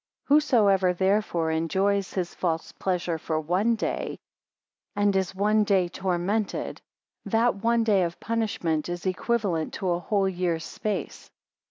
Whosoever therefore enjoys his false pleasure for one day, and is one day, tormented; that one day of punishment is equivalent to a whole year's space.